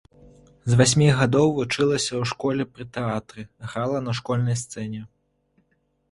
З васьмі гадоў вучылася ў школе пры тэатры, грала на школьнай сцэне.